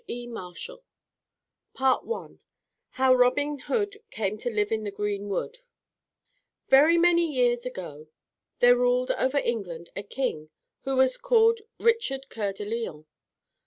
E. MARSHALL I HOW ROBIN HOOD CAME TO LIVE IN THE GREEN WOOD Very many years ago there ruled over England a king, who was called Richard Coeur de Lion.